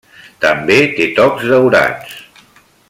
També té tocs daurats.